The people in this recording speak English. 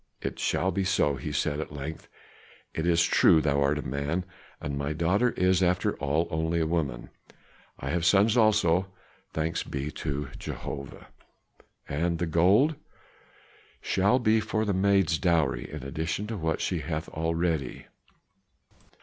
"It shall be so," he said at length. "It is true thou art a man, and my daughter is, after all, only a woman; I have sons also, thanks be to Jehovah!" "And the gold?" "Shall be for the maid's dowry, in addition to what she hath already."